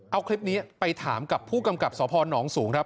เอาคลิปนี้ไปถามกับผู้กำกับสพนสูงครับ